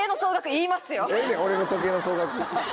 ええねん俺の時計の総額。